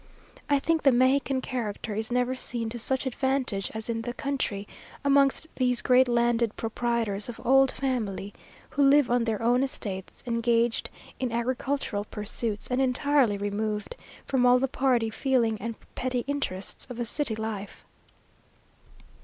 I think the Mexican character is never seen to such advantage as in the country, amongst these great landed proprietors of old family, who live on their own estates, engaged in agricultural pursuits, and entirely removed from all the party feeling and petty interests of a city life.